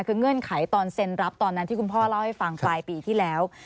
คือเงื่อนไขตอนเซ็นรับตอนนั้นที่คุณพ่อเล่าให้ฟังปลายปีที่แล้ว